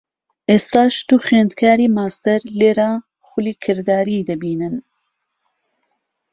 ئێستاش دوو خوێندکاری ماستهر لێره خولی کرداریی دهبینن